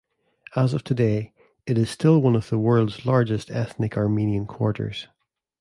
As of today, it is still one of the world's largest ethnic Armenian quarters.